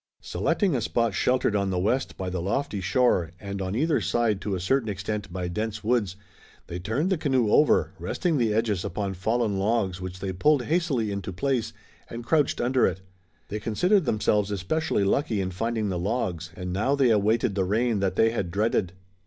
Selecting a spot sheltered on the west by the lofty shore and on either side to a certain extent by dense woods, they turned the canoe over, resting the edges upon fallen logs which they pulled hastily into place, and crouched under it. They considered themselves especially lucky in finding the logs, and now they awaited the rain that they had dreaded.